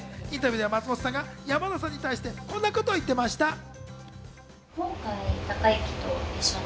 インタビューでは松本さんが山田さんに対してこんなことを言っていました。